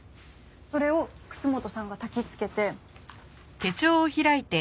それを楠本さんがたきつけて。